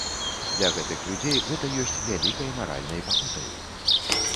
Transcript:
Для гэтых людзей гэта ёсць вялікай маральнай пакутаю.